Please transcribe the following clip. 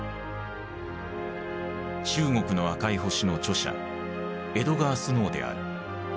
「中国の赤い星」の著者エドガー・スノーである。